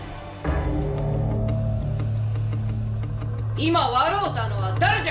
今笑うたのは誰じゃ。